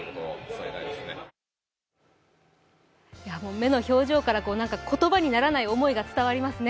目の表情から言葉にならない思いが伝わりますね。